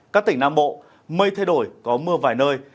các tỉnh nam bộ mây thay đổi có mưa vài nơi